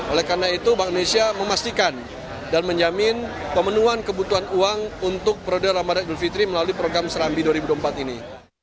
oleh karena itu bank indonesia memastikan dan menjamin pemenuhan kebutuhan uang untuk periode ramadan idul fitri melalui program serambi dua ribu dua puluh empat ini